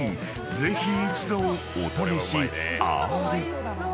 ぜひ一度お試しあれ］